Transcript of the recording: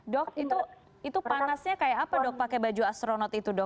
dok itu panasnya kayak apa dok pakai baju astronot itu dok